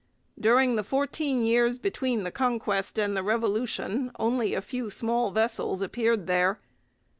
During the fourteen years between the Conquest and the Revolution only a few small vessels appeared there.